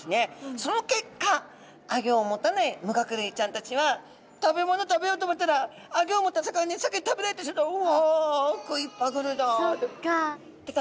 その結果アギョを持たない無顎類ちゃんたちは食べ物食べようと思ったらアギョを持った魚に先に食べられてうわ食いっぱぐれだ。